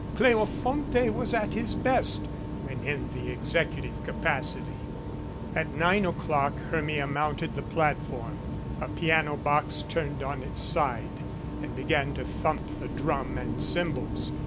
Cleofonte was at his best when in the executive capacity. At nine o'clock Hermia mounted the platform (a piano box turned on its side) and began to thump the drum and cymbals.